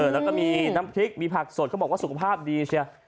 แล้วก็มีน้ำพริกมีผักสดก็บอกสุขภาพดี